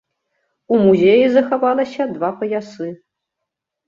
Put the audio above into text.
У музеі захавалася два паясы.